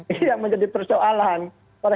ini yang menjadi persoalan